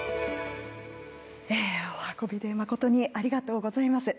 お運び誠にありがとうございます。